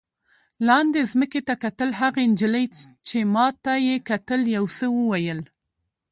لاندې ځمکې ته کتل، هغې نجلۍ چې ما ته یې کتل یو څه وویل.